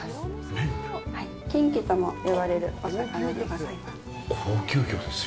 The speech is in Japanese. キンキとも呼ばれるお魚でございます。